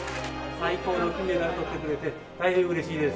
最高の金メダルとってくれて、大変うれしいです。